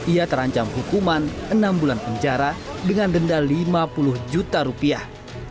ia terancam hukuman enam bulan penjara dengan denda lima puluh juta rupiah